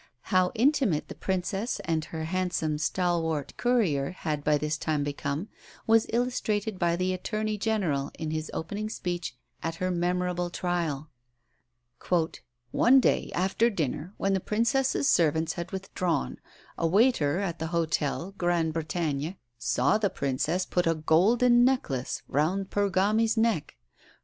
How intimate the Princess and her handsome, stalwart courier had by this time become was illustrated by the Attorney General in his opening speech at her memorable trial. "One day, after dinner, when the Princess's servants had withdrawn, a waiter at the hotel, Gran Brettagna, saw the Princess put a golden necklace round Pergami's neck.